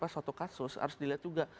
suatu kasus harus dilihat juga